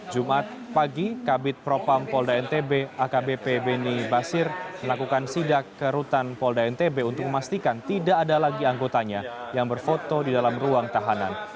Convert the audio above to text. jumat pagi kabit propam pol daintb akbp beni basir melakukan sidak kerutan pol daintb untuk memastikan tidak ada lagi anggotanya yang berfoto di dalam ruang tahanan